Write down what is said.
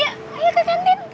yaudah ya ayo ke kantin